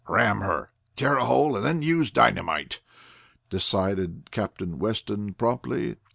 "Ram her, tear a hole, and then use dynamite," decided Captain Weston promptly.